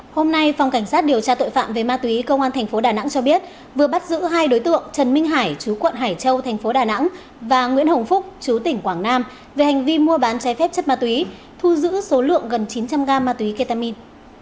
hôm nay phòng cảnh sát điều tra tội phạm về ma túy công an thành phố đà nẵng cho biết vừa bắt giữ hai đối tượng trần minh hải chú quận hải châu thành phố đà nẵng và nguyễn hồng phúc chú tỉnh quảng nam về hành vi mua bán trái phép chất ma túy thu giữ số lượng gần chín trăm linh gram ma túy ketamin